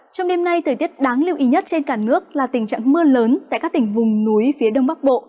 trong đêm nay thời tiết đáng lưu ý nhất trên cả nước là tình trạng mưa lớn tại các tỉnh vùng núi phía đông bắc bộ